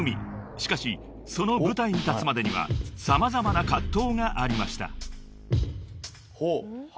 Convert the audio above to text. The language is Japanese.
［しかしその舞台に立つまでには様々な葛藤がありました］